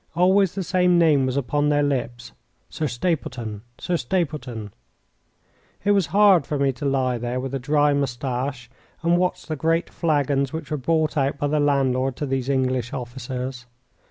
Always the same name was upon their lips: "Sir Stapleton Sir Stapleton." It was hard for me to lie there with a dry moustache and watch the great flagons which were brought out by the landlord to these English officers.